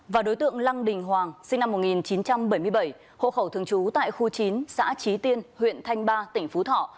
và đối tượng lăng đình hoàng sinh năm một nghìn chín trăm bảy mươi bảy hộ khẩu thường trú tại khu chín xã trí tiên huyện thanh ba tỉnh phú thọ